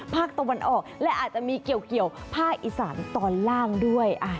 พ่อกตรงบนออกและอาจจะมีเกี่ยวผ้าอีสานตอนล่างด้วย